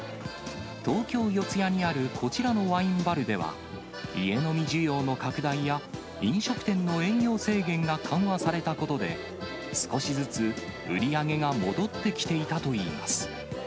東京・四谷にあるこちらのワインバルでは、家飲み需要の拡大や、飲食店の営業制限が緩和されたことで、少しずつ売り上げが戻ってきていたといいます。